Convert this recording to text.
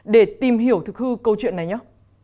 để tìm hiểu thực hư câu chuyện này nhé